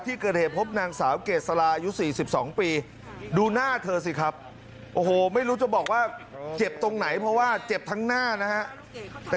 ที่เกิดเหตุพบนางสาวเกษลาอายุ๔๒ปีดูหน้าเธอสิครับโอ้โหไม่รู้จะบอกว่าเจ็บตรงไหนเพราะว่าเจ็บทั้งหน้านะฮะ